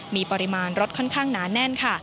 มีปริมาณรถค่อนข้างหนาแน่นค่ะ